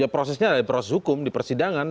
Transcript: prosesnya ada proses hukum di persidangan